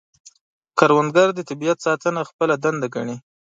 کروندګر د طبیعت ساتنه خپله دنده ګڼي